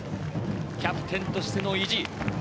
キャプテンとしての意地。